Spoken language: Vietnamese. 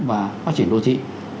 và phát triển đô thị